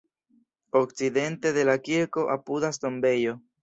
Okcidente de la kirko apudas tombejo.